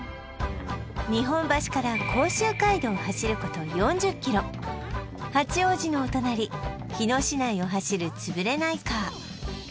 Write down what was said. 日本橋から甲州街道を走ること４０ｋｍ八王子のお隣日野市内を走るつぶれないカー